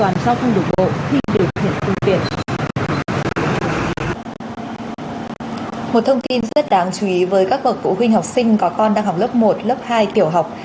một thông tin rất đáng chú ý với các bậc phụ huynh học sinh có con đang học lớp một lớp hai tiểu học